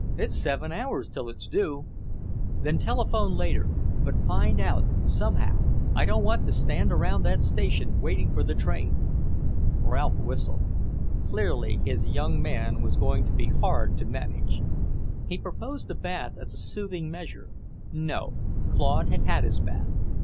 It's seven hours till it's due." "Then telephone later. But find out, somehow. I don't want to stand around that station, waiting for the train." Ralph whistled. Clearly, his young man was going to be hard to manage. He proposed a bath as a soothing measure. No, Claude had had his bath.